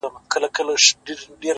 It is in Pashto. زما د هر شعر نه د هري پيغلي بد راځي’